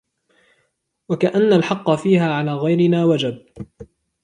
وَكَأَنَّ الْحَقَّ فِيهَا عَلَى غَيْرِنَا وَجَبَ